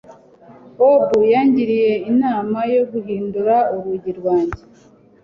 Bobo yangiriye inama yo guhindura urugi rwanjye